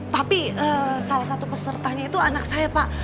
tapi salah satu pesertanya itu anak saya pak